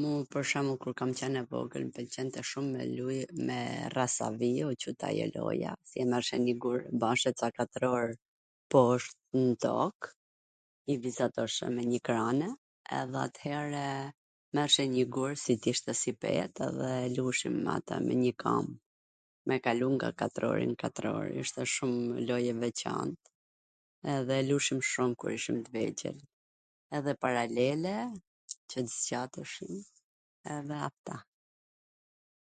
Mu pwr shwmbull, kur kam qwn e vogwl, mw pwlqente shum me luj rrasa viu quhet ajo loja, mbajshe nji gur, bajshe ca katror posht n tok, i kishe ato nw njw krane, edhe athere merrshe njw gur qw ishte si pet edhe kush i mante me njw kwmb, me kalu nga katrori nw katror, ishte shum loj e veCant edhe e lujshim shum kur ishim t vegjwl, edhe paralele, qw zgjateshin edhe ata,